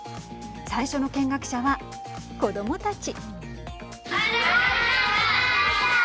最初の見学者は子どもたち。